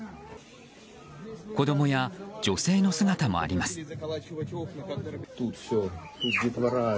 子供や女性の姿もあります。